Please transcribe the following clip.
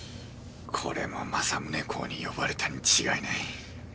これも政宗公に呼ばれたに違いない。